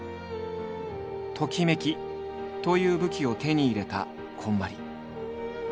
「ときめき」という武器を手に入れたこんまり。